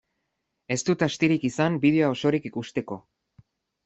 Ez dut astirik izan bideoa osorik ikusteko.